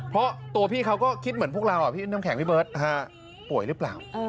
เพราะตัวพี่เขาก็คิดเหมือนพวกเราพี่น้ำแข็งพี่เบิร์ตป่วยหรือเปล่า